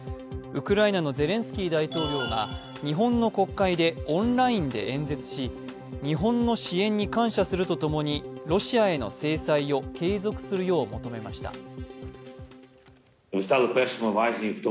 ウクライナのゼレンスキー大統領が日本の国会でオンラインで演説し日本の支援に感謝するとともにロシアへの制裁を継続するよう求めました。